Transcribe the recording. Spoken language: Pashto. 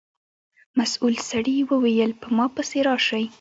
مسؤل سړي و ویل په ما پسې راشئ.